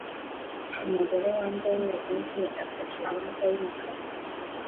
Umugore wambaye imvi afashe imbwa yumukara